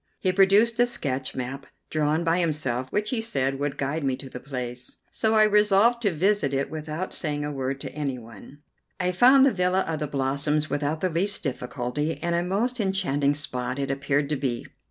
He produced a sketch map, drawn by himself, which he said would guide me to the place, so I resolved to visit it without saying a word to anyone. I found the villa of the Blossoms without the least difficulty, and a most enchanting spot it appeared to be.